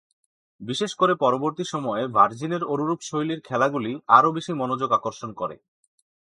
বিশেষ করে পরবর্তী সময়ে, ভার্জিনের অনুরূপ শৈলীর খেলাগুলি আরও বেশি মনোযোগ আকর্ষণ করে।